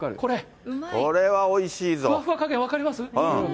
これ、ふわふわ加減分かります？